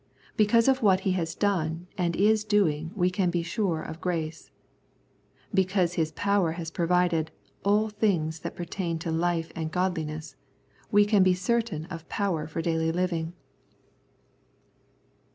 Because of what He has done and is doing we can be sure of grace. Because His power has provided " all things that pertain to life and godliness " we can be certain of power for daily living.